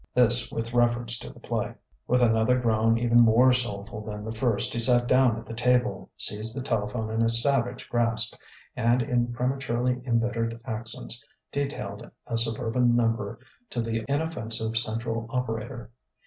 This with reference to the play. With another groan even more soulful than the first he sat down at the table, seized the telephone in a savage grasp, and in prematurely embittered accents detailed a suburban number to the inoffensive central operator.